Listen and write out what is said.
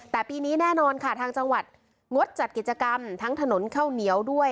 แต่ปีนี้แน่นอนค่ะทางจังหวัดงดจัดกิจกรรมทั้งถนนข้าวเหนียวด้วย